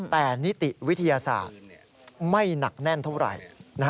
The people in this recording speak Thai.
แต่นิติวิทยาศาสตร์ไม่หนักแน่นเท่าไหร่